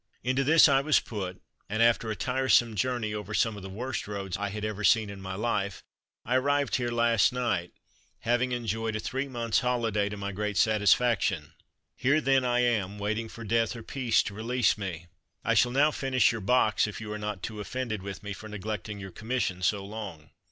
Into this I was put, and, after a tiresome journey over some of the worst roads I had ever seen in my life, I arrived here last night, having enjoyed a three months' holiday to my great satisfaction. Here, then, I am, waiting for death or peace to release me. I shall now finish your box if you are not too offended with me for neglecting your commission so long.